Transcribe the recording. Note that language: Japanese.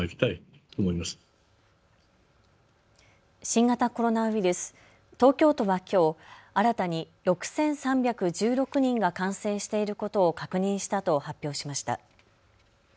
新型コロナウイルス、東京都はきょう新たに６３１６人が感染していることを確認したと発表しました。